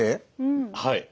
はい。